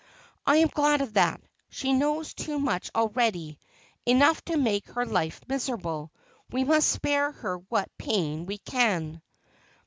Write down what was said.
' I am glad of that. She knows too much already — enough to make her life miserable. We must spare her what pain we can.'